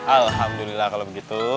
alhamdulillah kalau begitu